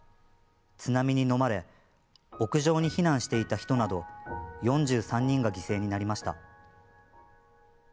津波にのまれ屋上に避難していた人など４３人が犠牲になりました。